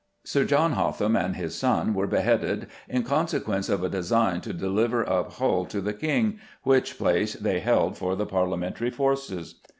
Sir John Hotham and his son were beheaded in consequence of a design to deliver up Hull to the King, which place they held for the Parliamentary forces.